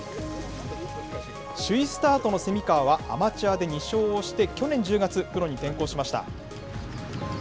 首位スタートの蝉川は、アマチュアで２勝をして、去年１０月、プロに転向しました。